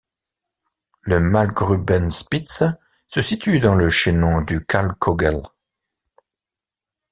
La Malgrubenspitze se situe dans le chaînon du Kalkkögel.